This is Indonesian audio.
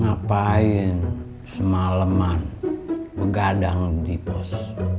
ngapain semaleman begadang di pos